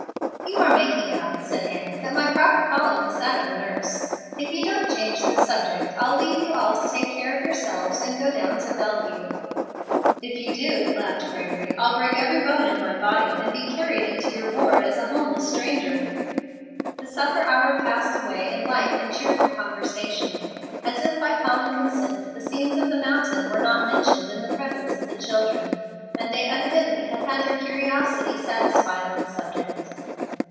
"You are making out," said Annie, "that my proper calling is that of a nurse. If you don't change the subject, I'll leave you all to take care of yourselves, and go down to Bellevue." "If you do," laughed Gregory, "I'll break every bone in my body, and be carried into your ward as a homeless stranger." The supper hour passed away in light and cheerful conversation. As if by common consent, the scenes on the mountain were not mentioned in the presence of the children, and they evidently had had their curiosity satisfied on the subject.